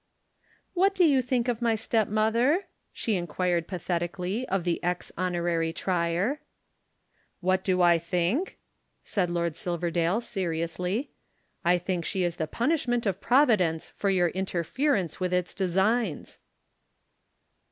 "What do you think of my stepmother?" she inquired pathetically of the ex Honorary Trier. "What do I think?" said Lord Silverdale seriously. "I think she is the punishment of Providence for your interference with its designs."